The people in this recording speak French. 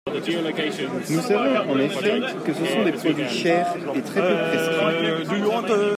Nous savons, en effet, que ce sont des produits chers et très peu prescrits.